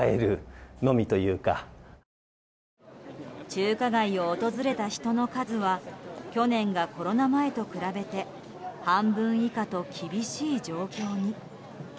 中華街を訪れた人の数は去年がコロナ前と比べて半分以下と、厳しい状況に。